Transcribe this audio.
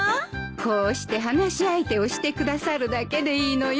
こうして話し相手をしてくださるだけでいいのよ。